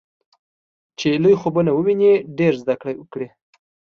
چې لوی خوبونه وويني ډېره زده کړه وکړي.